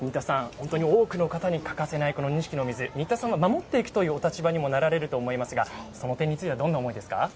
本当に多くの方に欠かせないこの錦の水新田さんは守っていくというお立場にもなられると思いますがその点についてはどんな思いですか。